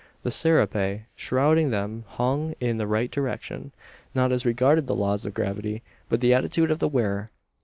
The serape shrouding them hung in the right direction not as regarded the laws of gravity, but the attitude of the wearer.